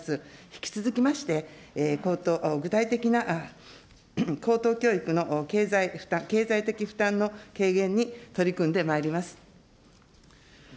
引き続きまして、具体的な高等教育の経済的負担の軽減に取り組んでまいります。